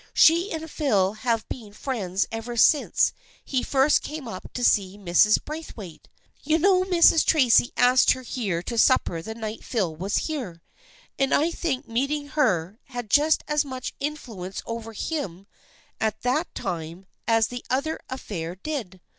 " She and Phil have been friends ever since he first came up to see Mrs. Braithwaite. You know Mrs. Tracy asked her here to supper the night Phil was here, and I think meeting her had just as much influence over him at that time as the other affair did.